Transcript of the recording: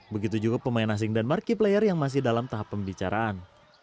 begitu juga pemain asing dan markiplayer yang masih dalam tahap pembicaraan